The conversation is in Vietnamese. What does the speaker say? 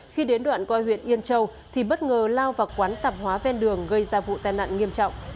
khi đến đoạn coi huyện yên châu thì bất ngờ lao vào quán tạp hóa ven đường gây ra vụ tai nạn nghiêm trọng